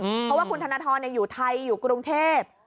เพราะว่าคุณธนทรอยู่ไทยอยู่กรุงเทพ